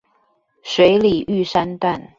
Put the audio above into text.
水里玉山段